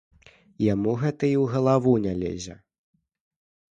Яму гэта і ў галаву не лезе.